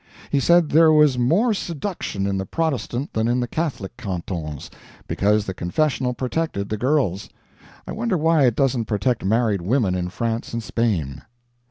He said there was more seduction in the Protestant than in the Catholic cantons, because the confessional protected the girls. I wonder why it doesn't protect married women in France and Spain?